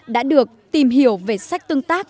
đã được tìm hiểu về sách tương tác